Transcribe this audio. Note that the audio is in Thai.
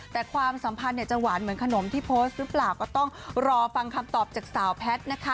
แต่ความสัมพันธ์เนี่ยจะหวานเหมือนขนมที่โพสต์หรือเปล่าก็ต้องรอฟังคำตอบจากสาวแพทย์นะคะ